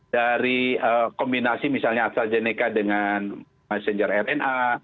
dari kombinasi misalnya astrazeneca dengan messenger rna